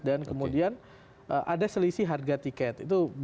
dan kemudian ada selisih harga tiket